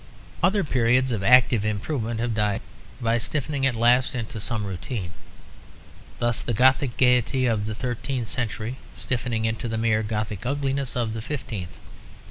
Other periods of active improvement have died by stiffening at last into some routine. Thus the Gothic gaiety of the thirteenth century stiffening into the mere Gothic ugliness of the fifteenth.